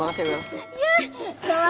yah sama sama roman